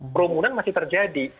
perumunan masih terjadi